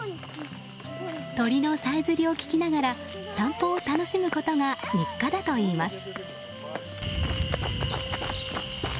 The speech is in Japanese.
鳥のさえずりを聞きながら散歩を楽しむことが日課だといいます。